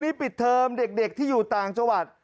นี่ปิดเทอมเด็กที่อยู่ต่างจังหวัด